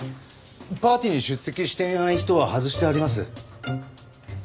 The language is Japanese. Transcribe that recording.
パーティーに出席していない人は外してあります。